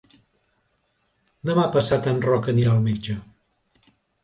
Demà passat en Roc anirà al metge.